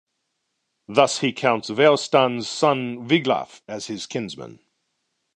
Thus he counts Weohstan's son Wiglaf as his kinsman.